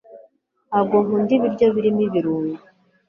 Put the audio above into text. ntabwo nkunda ibiryo birimo ibirungo